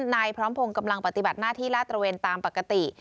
นายพร้อมพงศ์กำลังปฏิบัติหน้าที่ลาดตระเวนตามปกติ